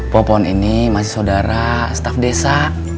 popon ini masih saudara staf desa